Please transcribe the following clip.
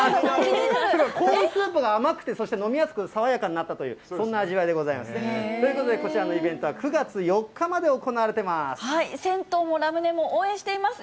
コーンスープが甘くて、そして飲みやすく、爽やかになったという、そんな味わいでございます。ということでこちらのイベントは、銭湯もラムネも応援しています。